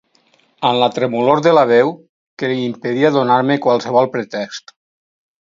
Amb la tremolor de la veu que li impedia donar-me qualsevol pretext.